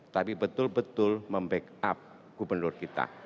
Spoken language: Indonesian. tapi betul betul membackup gubernur kita